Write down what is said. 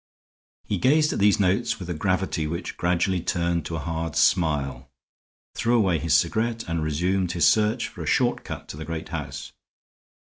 He gazed at these notes with a gravity which gradually turned to a hard smile, threw away his cigarette, and resumed his search for a short cut to the great house.